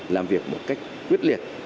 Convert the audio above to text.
làm việc một cách quyết liệt